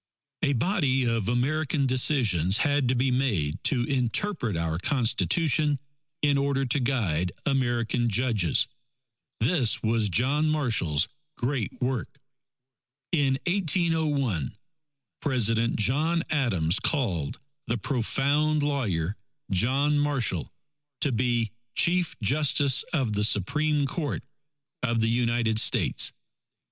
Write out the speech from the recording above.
A body of American decisions had to be made to interpret our Constitution in order to guide American judges. This was John Marshall's great work. In 1801, President John Adams called the profound lawyer, John Marshall, to be Chief Justice of the Supreme Court of the United States.